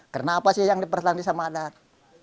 kenapa sih yang dipertahankan sama adat